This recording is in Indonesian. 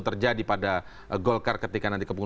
terjadi pada golkar ketika nanti